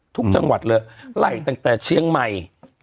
จังหวัดเลยไล่ตั้งแต่เชียงใหม่